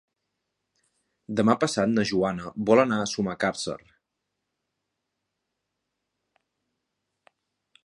Demà passat na Joana vol anar a Sumacàrcer.